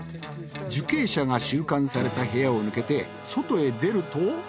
受刑者が収監された部屋を抜けて外へ出ると。